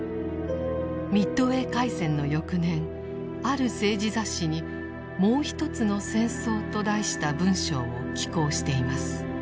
ミッドウェー海戦の翌年ある政治雑誌に「もうひとつの戦争」と題した文章を寄稿しています。